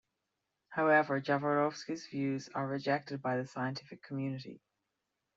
However, Jaworowski's views are rejected by the scientific community.